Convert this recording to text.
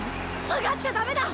退がっちゃダメだ！！